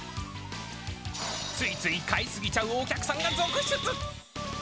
ついつい買い過ぎちゃうお客さんが続出。